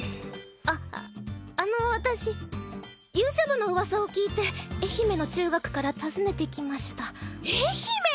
ああの私勇者部の噂を聞いて愛媛の中学から訪ねてきました愛媛！